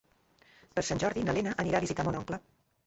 Per Sant Jordi na Lena anirà a visitar mon oncle.